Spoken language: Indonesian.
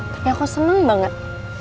tapi aku seneng banget